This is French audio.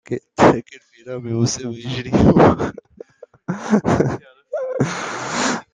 Yafa est l'une des plus grandes tribus d'Arabie.